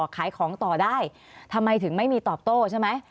ขายของต่อได้ทำไมถึงไม่มีตอบโต้ใช่ไหม